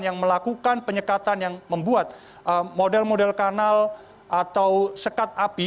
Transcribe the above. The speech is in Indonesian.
yang melakukan penyekatan yang membuat model model kanal atau sekat api